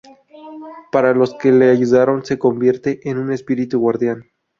Para los que le ayudaron se convierte en un espíritu guardián.